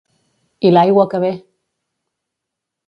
I l'aigua que ve!